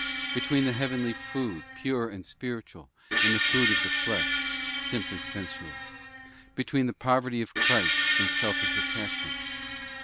BOOK Between the heavenly food, pure and spiritual, and the food of the flesh, simply sensual? Between the poverty of Christ and selfish attachments?